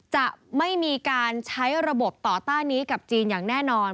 จะไม่มีการใช้ระบบต่อต้านนี้กับจีนอย่างแน่นอน